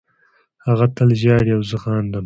هغه تل ژاړي او زه خاندم